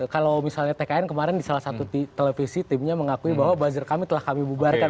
kalau misalnya tkn kemarin di salah satu televisi timnya mengakui bahwa buzzer kami telah kami bubarkan